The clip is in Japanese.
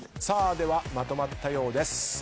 さあではまとまったようです。